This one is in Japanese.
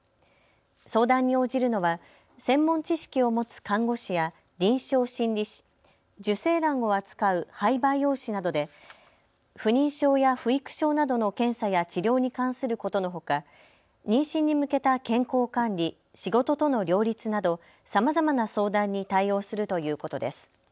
相談に応じるのは専門知識を持つ看護師や臨床心理士、受精卵を扱う胚培養士などで不妊症や不育症などの検査や治療に関することのほか妊娠に向けた健康管理、仕事との両立などさまざまな相談に対応するということです。